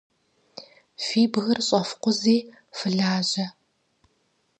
Фи бгыр щӏэфкъузи фылажьэ.